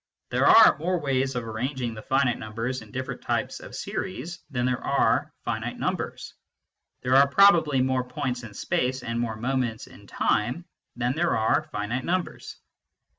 There are more ways of arranging the finite numbers in different types of series than there are finite numbers. There are probably more points in space and more moments in time than there are finite numbers.